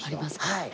はい。